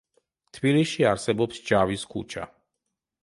თბილისში არსებობს ჯავის ქუჩა.